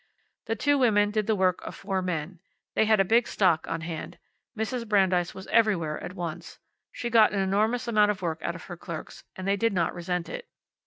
The two women did the work of four men. They had a big stock on hand. Mrs. Brandeis was everywhere at once. She got an enormous amount of work out of her clerks, and they did not resent it.